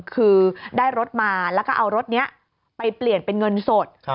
คือได้รถมาแล้วก็เอารถนี้ไปเปลี่ยนเป็นเงินสด